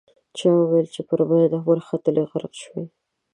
چا ویل پر ماین وختلې غرق شوې.